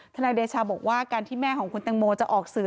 นายเดชาบอกว่าการที่แม่ของคุณตังโมจะออกสื่อ